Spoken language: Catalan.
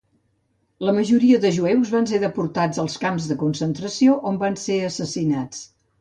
La majoria dels jueus van ser deportats als camps de concentració, on van ser assassinats.